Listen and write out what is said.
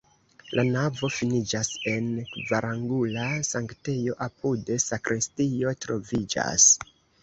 La navo finiĝas en kvarangula sanktejo, apude sakristio troviĝas.